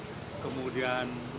kemudian mencari lahan yang berbeda